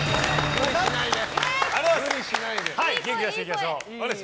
無理しないで。